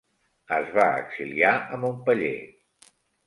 Es va exiliar a Montpeller.